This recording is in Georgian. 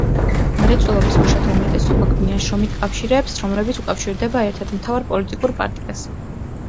მრეწველობის მუშათა უმეტესობა ქმნიან შრომით კავშირებს, რომლებიც უკავშირდება ერთ-ერთ მთავარ პოლიტიკურ პარტიას.